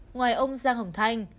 ngoài ông giang hồng thanh